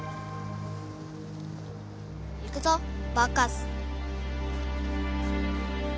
行くぞバッカス。